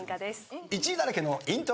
１位だらけのイントロ。